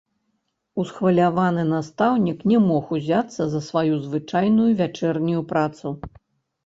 Усхваляваны настаўнік не мог узяцца за сваю звычайную вячэрнюю працу.